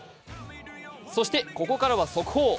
そして、ここからは速報。